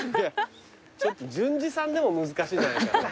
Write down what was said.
ちょっと純次さんでも難しいんじゃないかな。